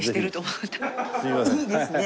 いいですね。